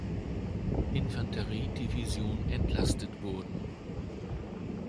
Infanteriedivision entlastet wurden.